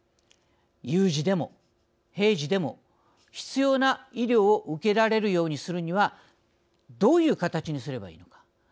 有事でも平時でも必要な医療を受けられるようにするにはどういう形にすればいいのか。